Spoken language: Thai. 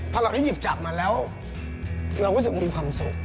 พอเราได้หยิบจับมาแล้วเรารู้สึกว่ามีความสุข